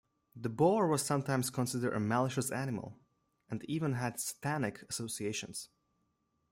The boar was sometimes considered a malicious animal, and even had satanic associations.